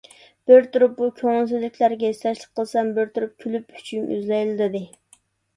بىر تۇرۇپ بۇ كۆڭۈلسىزلىكلەرگە ھېسداشلىق قىلسام، بىر تۇرۇپ كۈلۈپ ئۈچىيىم ئۈزۈلەيلا دېدى.